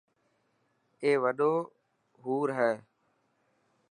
اي وڏو حور هي.